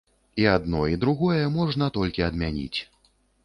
І адно, і другое можна толькі адмяніць.